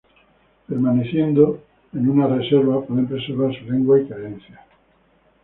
Permaneciendo en una reserva, pueden preservar su lengua y creencias.